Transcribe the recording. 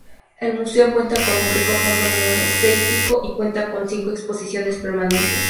El museo cuenta con un rico fondo museístico y cuenta con cinco exposiciones permanentes.